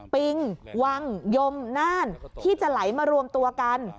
ปิงวังยมน่านที่จะไหลมารวมตัวกัน